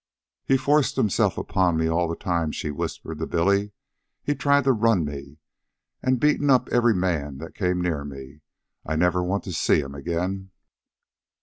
"He's forced himself upon me all the time," she whispered to Billy. "He's tried to run me, and beaten up every man that came near me. I never want to see him again."